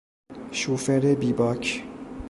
شوفر بیباک